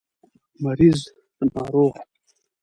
مريض √ ناروغ